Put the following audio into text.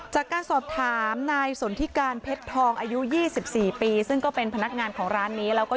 จากการสอบถามนายสนทิการเพชรทองอายุ๒๔ปีซึ่งก็เป็นพนักงานของร้านนี้แล้วก็